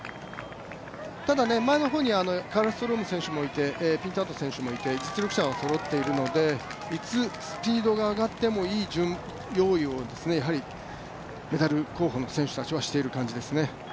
ただ、前の方にカルストローム選手もいてピンタード選手もいて実力者はそろっているのでいつスピードが上がってもいい用意をメダル候補の選手たちはしている感じですね。